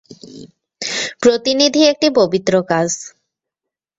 প্রতিনিধি একটা পবিত্র কাজ।